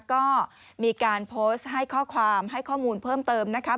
ก็มีการโพสต์ให้ข้อความให้ข้อมูลเพิ่มเติมนะคะ